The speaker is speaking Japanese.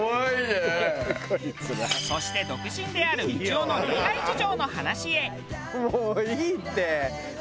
そして独身であるみちおの恋愛事情の話へ。